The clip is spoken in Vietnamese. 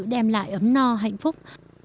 các sự đem lại ấm no hạnh phúc